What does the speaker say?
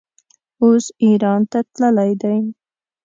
اوس ایران ته تللی دی.